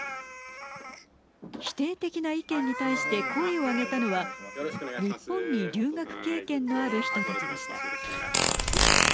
否定的な意見に対して声を上げたのは日本に留学経験のある人たちでした。